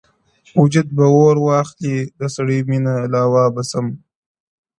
وجود به اور واخلي د سرې ميني لاوا به سم؛